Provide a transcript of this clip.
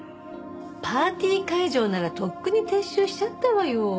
パーティー会場ならとっくに撤収しちゃったわよ。